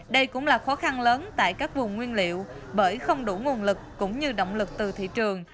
đây cũng là khó khăn lớn tại các vùng nguyên liệu bởi không đủ nguồn lực cũng như động lực từ thị trường